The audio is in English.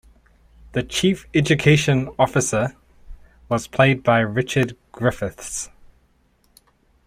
The Chief Education Officer was played by Richard Griffiths.